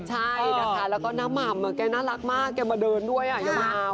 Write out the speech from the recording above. ใช่นะคะแล้วก็น้าหม่ำแกน่ารักมากแกมาเดินด้วยยาว